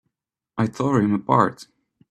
I tore him apart!